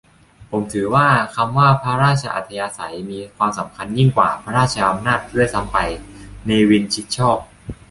ผมถือว่า คำว่า พระราชอัธยาศัย มีความสำคัญยิ่งกว่า พระราชอำนาจ ด้วยซ้ำไป - เนวิน ชิดชอบ